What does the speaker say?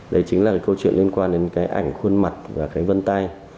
đấy chính là cái câu chuyện liên quan đến cái ảnh khuôn mặt và cái vân tay